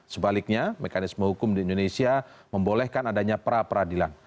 sebaliknya mekanisme hukum di indonesia membolehkan adanya pra peradilan